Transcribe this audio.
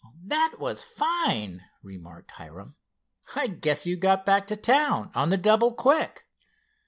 "That was fine," remarked Hiram. "I guess you got back to town on the double quick."